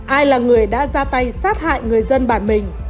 ai là người đã ra tay sát hại người dân bản mình